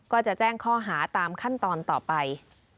ก็จะแจ้งข้อหาตามขั้นตอนต่อไป